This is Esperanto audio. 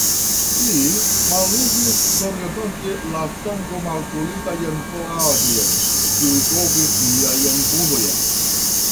Li malligis zorgatente la sangomakulitajn tolaĵojn, kiuj kovris miajn vundojn.